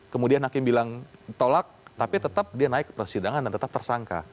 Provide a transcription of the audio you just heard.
kemudian hakim bilang tolak tapi tetap dia naik ke persidangan dan tetap tersangka